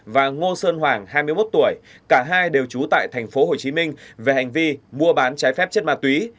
và ngô sơn hoàng hai mươi một tuổi cả hai đều trú tại thành phố hồ chí minh về hành vi mua bán trái phép chất ma túy